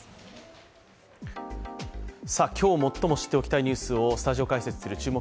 今日、最も知っておきたいニュースをスタジオ解説する「注目！